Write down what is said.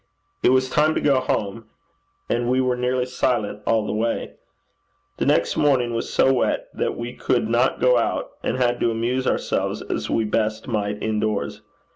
It was time to go home, and we were nearly silent all the way. The next morning was so wet that we could not go out, and had to amuse ourselves as we best might in doors.